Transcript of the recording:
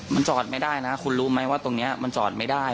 มันจอดไม่ได้นะคุณรู้ไหมว่าตรงนี้มันจอดไม่ได้